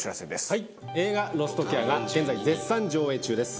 松山：映画『ロストケア』が現在、絶賛上映中です。